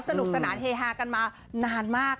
สนุกสนานเฮฮากันมานานมาก